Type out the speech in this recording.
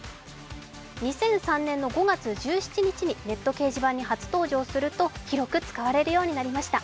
２００３年の５月１７日にネット掲示板に初登場すると広く使われるようになりました。